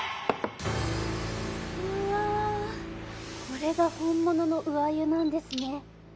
これが本物の鵜鮎なんですね。